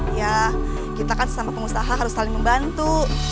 ya kita kan sesama pengusaha harus saling membantu